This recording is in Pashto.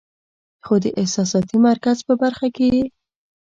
خو د احساساتي مرکز پۀ برخه کې ئې